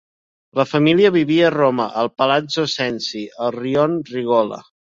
La família vivia a Roma, al Palazzo Cenci, al rione Regola.